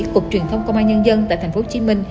cục truyền thông công an nhân dân tại tp hcm